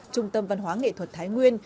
trung tâm văn hóa nghệ thuật thái nguyên